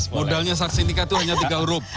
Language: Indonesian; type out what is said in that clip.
modalnya saksi nikah itu hanya tiga huruf